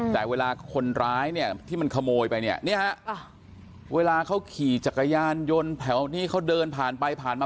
แต่เวลาคนร้ายเนี่ยที่มันขโมยไปเนี่ยฮะเวลาเขาขี่จักรยานยนต์แถวนี้เขาเดินผ่านไปผ่านมา